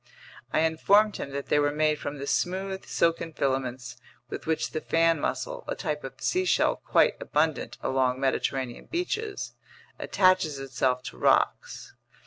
I informed him that they were made from the smooth, silken filaments with which the fan mussel, a type of seashell quite abundant along Mediterranean beaches, attaches itself to rocks.